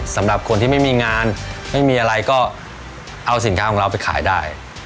สำหรับคนที่ไม่มีงานไม่มีอะไรก็เอาสินค้าของเราไปขายได้